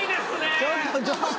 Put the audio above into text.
ちょっとちょっと。